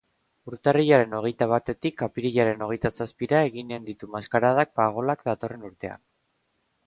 Urtarrilaren hogeita batetik apirilaren hogeita zazpira eginen ditu maskaradak Pagolak datorren urtean.